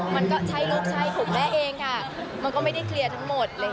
เพราะแม่เองมันก็ไม่ได้เคลียร์ทั้งหมด